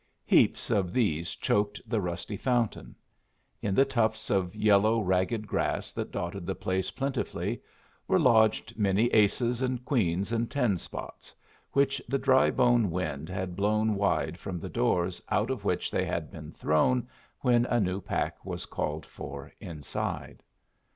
Heaps of these choked the rusty fountain. In the tufts of yellow, ragged grass that dotted the place plentifully were lodged many aces and queens and ten spots, which the Drybone wind had blown wide from the doors out of which they had been thrown when a new pack was called for inside.